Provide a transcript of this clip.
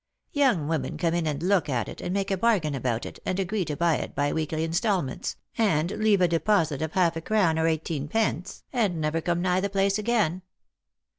Young women come in and look at it, and make a bargain about it, and agree to buy it by weekly instalments, and leave a deposit of half a crown or eighteenpence, and never come nigh the place again.